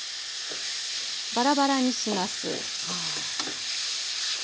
バラバラにします。